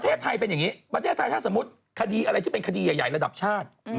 ประเทศไทยเป็นอย่างนี้ประเทศไทยถ้าสมมุติคดีอะไรที่เป็นคดีใหญ่ระดับชาติ